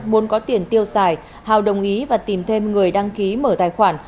muốn có tiền tiêu xài hào đồng ý và tìm thêm người đăng ký mở tài khoản